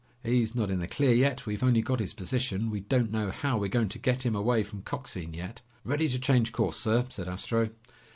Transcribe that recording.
"He's not in the clear yet. We've only got his position. We don't know how we're going to get him away from Coxine yet." "Ready to change course, sir," said Astro.